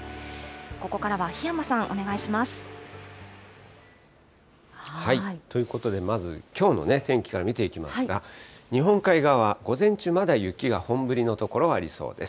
ここからは檜山さんお願いします。ということでまず、きょうのね、天気から見ていきますが、日本海側、午前中、まだ雪が本降りの所がありそうです。